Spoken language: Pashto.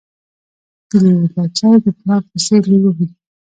د لېوه بچی د پلار په څېر لېوه وي